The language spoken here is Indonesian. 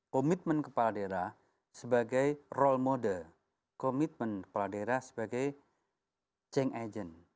komitmen kepala daerah sebagai role model komitmen kepala daerah sebagai chang agent